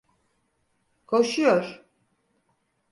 Koşuyor…